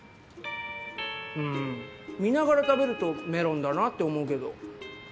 うん見ながら食べるとメロンだなって思うけど。